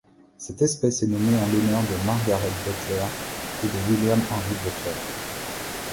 Cette espèce est nommée en l'honneur de Margaret Butler et de William Henry Butler.